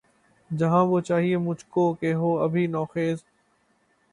جہاں وہ چاہیئے مجھ کو کہ ہو ابھی نوخیز